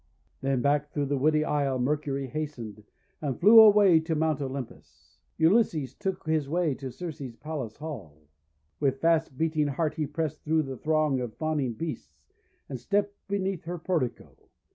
Then back through the woody isle Mercury hastened, and flew away to Mount Olympus. Ulysses took his way to Circe's palace hall. With fast beating heart he pressed through the throng of fawning beasts, and stepped beneath her portico.